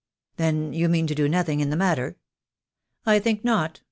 "Then you mean to do nothing in the matter?" "I think not.